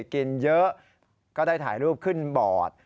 กินเยอะก็ได้ถ่ายรูปขึ้นบอร์ด